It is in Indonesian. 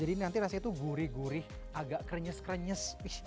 jadi nanti rasanya itu gurih gurih agak krenyes krenyes